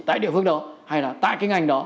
tại địa phương đó hay là tại cái ngành đó